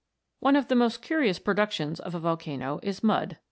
One of the most curious productions of a volcano is mud.